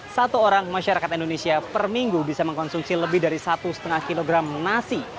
satu orang masyarakat indonesia per minggu bisa mengkonsumsi lebih dari satu lima kg nasi